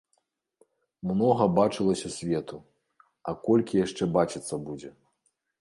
Многа бачылася свету, а колькі яшчэ бачыцца будзе.